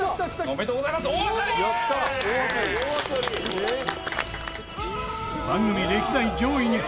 「おめでとうございます！